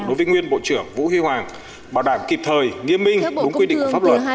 đối với nguyên bộ trưởng vũ huy hoàng bảo đảm kịp thời nghiêm minh đúng quy định của pháp luật